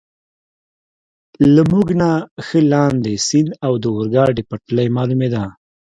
له موږ نه ښه لاندې، سیند او د اورګاډي پټلۍ معلومېده.